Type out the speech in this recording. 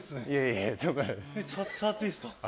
触っていいですか？